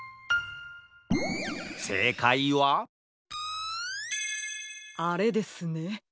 せいかいはあれですね。